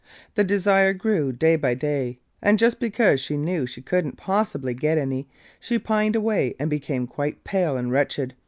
The desire grew day by day, and just because she knew she couldn't possibly get any, she pined away and became quite pale and wretched.